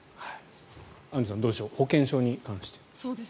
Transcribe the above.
アンジュさんどうでしょう保険証に関して。